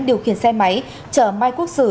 điều khiển xe máy chở mai quốc sử